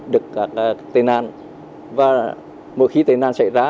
được các tên an và mỗi khi tên an xảy ra